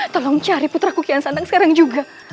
tolong cari putraku kian santang sekarang juga